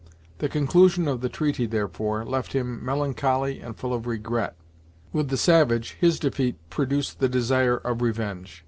The conclusion of the treaty, therefore, left him melancholy and full of regret. With the savage, his defeat produced the desire of revenge.